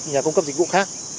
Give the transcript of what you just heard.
nhà cung cấp dịch vụ khác